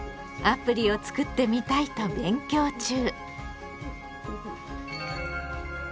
アプリをつくってみたいと勉強中。